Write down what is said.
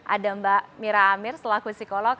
ada mbak mira amir selaku psikolog